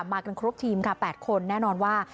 มากันครบทีมค่ะ๘คนแน่นอนว่า